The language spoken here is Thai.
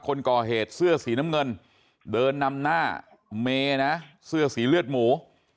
คนก่อเหตุเสื้อสีน้ำเงินเดินนำหน้าเมนะเสื้อสีเลือดหมู